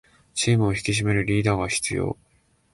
チームを引き締めるリーダーが必要